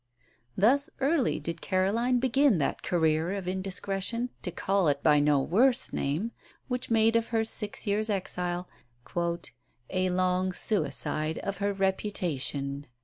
Thus early did Caroline begin that career of indiscretion, to call it by no worse name, which made of her six years' exile "a long suicide of her reputation."